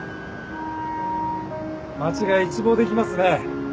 街が一望できますね。